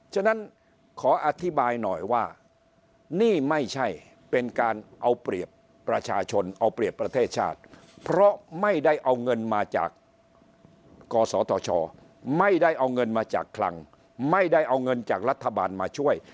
ฉะนั้นขออธิบายหน่อยว่านี่ไม่ใช่เป็นการเอาเปรียบประชาชนเอาเปรียบประเทศชาติเพราะไม่ได้เอาเงินมาจากกศธชไม่ได้เอาเงินมาจากคลังไม่ได้เอาเงินจากรัฐบาลมาช่วย